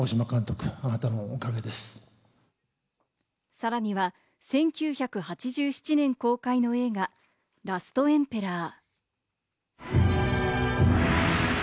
さらには１９８７年公開の映画、『ラストエンペラー』。